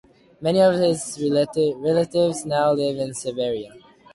Many of his relatives now live in Serbia.